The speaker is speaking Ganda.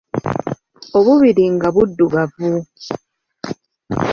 Obubiri nga buddugavu.